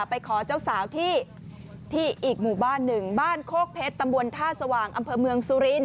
ไปขอเจ้าสาวที่อีกหมู่บ้านหนึ่งบ้านโคกเพชรตำบลท่าสว่างอำเภอเมืองสุรินท